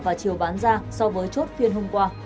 và chiều bán ra so với chốt phiên hôm qua